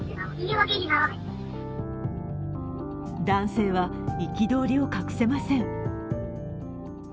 男性は憤りを隠せません。